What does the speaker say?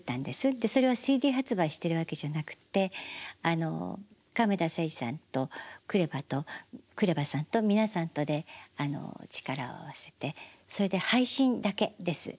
でそれはＣＤ発売してるわけじゃなくって亀田誠治さんとＫＲＥＶＡとＫＲＥＶＡさんと皆さんとで力を合わせてそれで配信だけです。